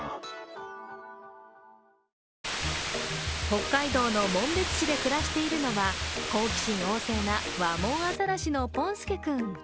北海道の紋別市で暮らしているのは好奇心旺盛なワモンアザラシのポンすけ君。